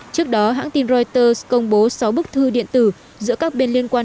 trước đó hãng tin reuters công bố sáu bức thư điện tử giữa các bên liên quan